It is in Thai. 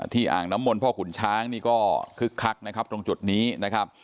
อ่างน้ำมนต์พ่อขุนช้างนี่ก็คึกคักนะครับตรงจุดนี้นะครับ